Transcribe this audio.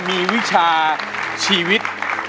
มีวิชาชีวิต